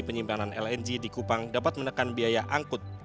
penyimpanan lng di kupang dapat menekan biaya angkut